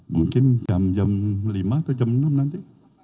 mungkin jam jam lima atau jam enam nanti